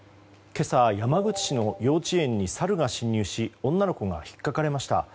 今朝、山口市の幼稚園にサルが侵入し女の子が引っかかれました。